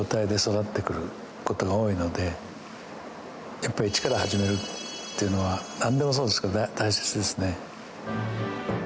やっぱり一から始めるっていうのは何でもそうですけど大切ですね。